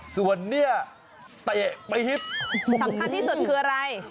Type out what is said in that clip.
ส่วนเนี่ยเตะปี๊ยบสำคัญที่สุดคืออะไร